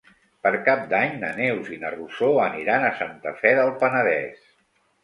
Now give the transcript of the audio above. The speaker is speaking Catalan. Per Cap d'Any na Neus i na Rosó aniran a Santa Fe del Penedès.